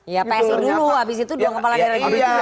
ya psi dulu abis itu dua kepala daerah gitu